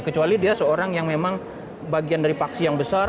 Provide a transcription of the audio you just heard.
kecuali dia seorang yang memang bagian dari paksi yang besar